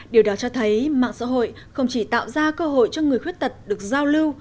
điều đó cho thấy mạng xã hội không chỉ tạo ra cơ hội cho người khuyết tật được giao lưu